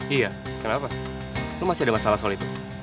iya kenapa lu masih ada masalah soal itu